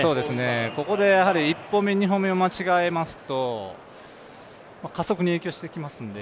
ここで１歩目、２歩目を間違えますと加速に影響してきますので。